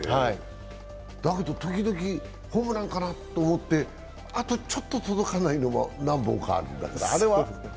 だけど時々ホームランかなと思って、あとちょっと届かないのも何本かあるんだけど、あれは？